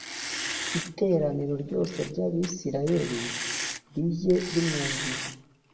iteraniro ryose ry abisirayeli rijye rimwumvira